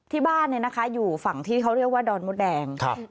ที่บ้านอยู่ฝั่งที่เขาเรียกว่าดอนมดแดง